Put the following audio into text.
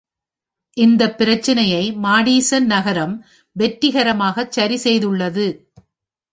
இந்தப் பிரச்னையை மாடிசன் நகரம் வெற்றிகரமாகச் சரிசெய்துள்ளது.